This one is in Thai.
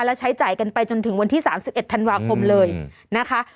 แล้วใช้จ่ายกันไปจนถึงวันที่๓๑ธันวาคมเลยนะคะ